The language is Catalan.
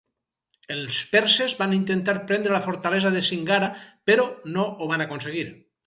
Els perses van intentar prendre la fortalesa de Singara, però no ho van aconseguir.